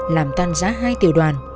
làm tăng giá hai triệu đồng